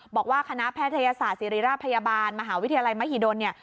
บอกว่าคณะแพทยศาสตร์ศิริราชพยาบาลมหาวิทยาลัยมหิดลเนี่ย